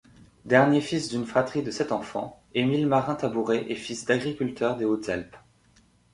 Dernier fils d'une fratrie de sept enfants, Émile Marin-Tabouret est fils d'agriculteurs des Hautes-Alpes.